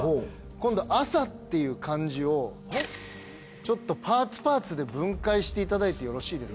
今度「朝」っていう漢字をパーツパーツで分解していただいてよろしいですか。